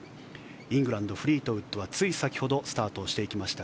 イングランドフリートウッドはつい先ほどスタートをしていきました。